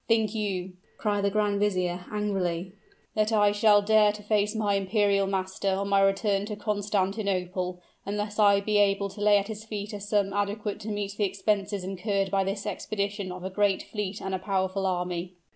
"Think you," cried the grand vizier, angrily, "that I shall dare to face my imperial master, on my return to Constantinople, unless I be able to lay at his feet a sum adequate to meet the expenses incurred by this expedition of a great fleet and a powerful army?"